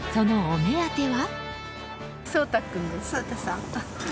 そのお目当ては。